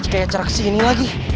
jika ya acara kesini lagi